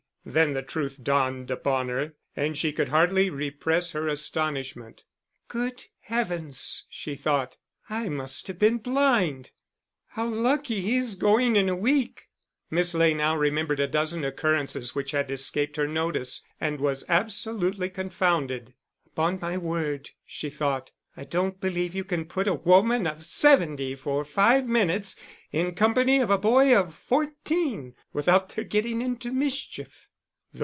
Then the truth dawned upon her, and she could hardly repress her astonishment. "Good Heavens!" she thought, "I must have been blind. How lucky he's going in a week!" Miss Ley now remembered a dozen occurrences which had escaped her notice, and was absolutely confounded. "Upon my word," she thought, "I don't believe you can put a woman of seventy for five minutes in company of a boy of fourteen without their getting into mischief."